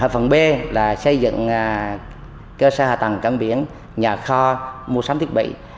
phần b là xây dựng cơ sở hạ tầng cảng biển nhà kho mua sắm thiết bị